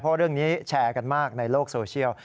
เพราะเรื่องนี้แชร์กันมากในโลกโซเชียล